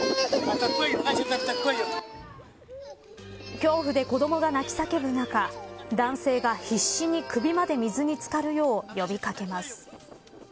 恐怖で子どもが泣き叫ぶ中男性が必死に首まで水に漬かるよう呼び掛けます。